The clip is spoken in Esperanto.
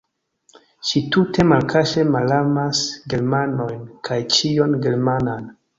Ŝi tute malkaŝe malamas germanojn kaj ĉion germanan.